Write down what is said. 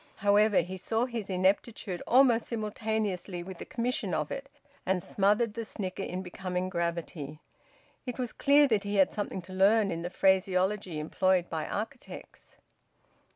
However, he saw his ineptitude almost simultaneously with the commission of it, and smothered the snigger in becoming gravity. It was clear that he had something to learn in the phraseology employed by architects.